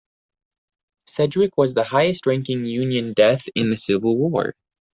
Sedgwick was the highest-ranking Union death in the Civil War.